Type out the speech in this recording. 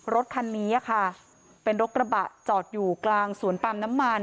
รถคันนี้ค่ะเป็นรถกระบะจอดอยู่กลางสวนปาล์มน้ำมัน